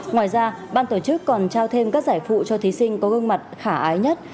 ngoài ra ban tổ chức còn trao thêm các giải phụ cho thí sinh có gương mặt khả ái nhất